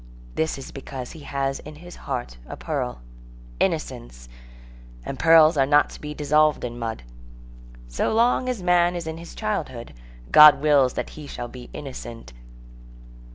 This is because he has in his heart a pearl, innocence; and pearls are not to be dissolved in mud. So long as man is in his childhood, God wills that he shall be innocent.